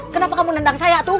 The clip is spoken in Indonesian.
kenapa kamu dendam ke saya